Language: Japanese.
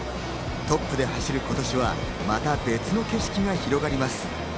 トップで走る今年は、また別の景色が広がります。